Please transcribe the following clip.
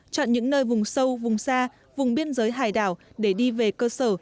chọn những nơi vùng sâu vùng xa vùng biên giới hải đảo để đi về cơ sở